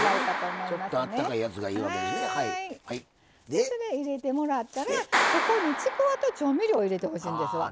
それ入れてもらったらそこにちくわと調味料を入れてほしいんですわ。